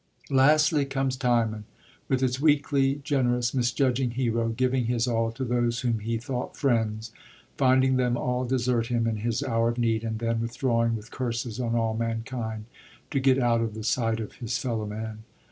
Lastly comes TimoUf with its weakly generous, misjudging hero, giving his all to those whom he thought friends, finding them all desert him in his hour of need, and then withdrawing, with curses on all mankind, to get out of the sight of his fellow men.